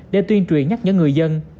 để tuyên truyền nhắc nhớ người dân